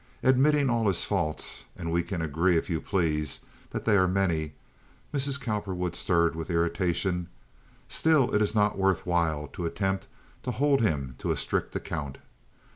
Admitting all his faults—and we can agree, if you please, that they are many"—Mrs. Cowperwood stirred with irritation—"still it is not worth while to attempt to hold him to a strict account.